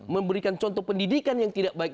memberikan contoh pendidikan yang tidak baik